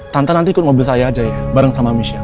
tante nanti ikut mobil saya aja ya bareng sama michelle